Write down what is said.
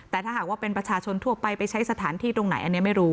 แต่ถ้าหากว่าเป็นประชาชนทั่วไปไปใช้สถานที่ตรงไหนอันนี้ไม่รู้